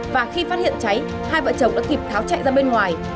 và khi phát hiện cháy hai vợ chồng đã kịp tháo chạy ra bên ngoài